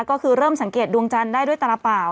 ก็คือเริ่มสังเกตดวงจันทร์ได้ด้วยตาราเปล่า